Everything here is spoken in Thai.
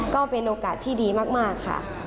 ก็เป็นโอกาสที่ดีมากค่ะ